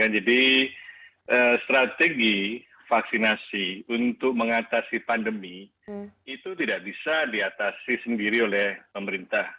jadi strategi vaksinasi untuk mengatasi pandemi itu tidak bisa diatasi sendiri oleh pemerintah